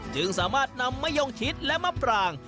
จึงสามารถนำมะยงชิดและมะปราง